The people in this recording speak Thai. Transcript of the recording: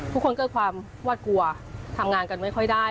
ทุกคนคือความว่ากลัวทำงานก็ไม่ค่อยได้